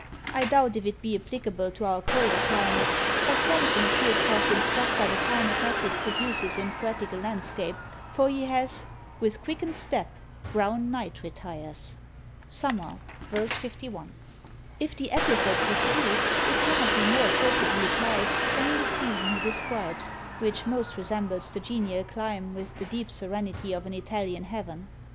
I doubt if it be applicable to our colder climate; but Thomson appears to have been struck by the fine effect it produces in poetical landscape; for he has With quickened step Brown night retires. Summer, v. 51. If the epithet be true, it cannot be more appropriately applied than in the season he describes, which most resembles the genial clime with the deep serenity of an Italian heaven.